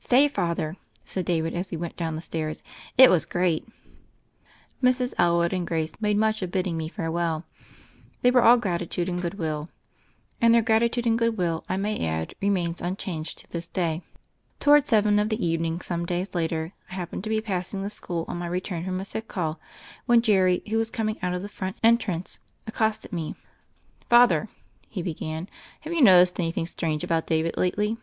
"Say, Father," said David as we went down the stairs, "it was great I" Mrs. Elwood and Grace made much of bid ding me farewell. They were all gratitude and good will; and their gratitude and good will, I may add, remain unchanged to this day. Towards seven of the evening some days later I happened to be passing the school on my return from a sick call, when Jerry, who was coming out of the front entrance, accosted me. "Father," he began, "have you noticed any thing strange about David lately?"